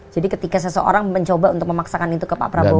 jadi ketika seseorang mencoba untuk memaksakan itu ke pak prabowo